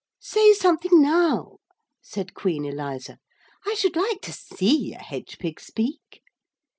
'Say something now,' said Queen Eliza. 'I should like to see a hedge pig speak.'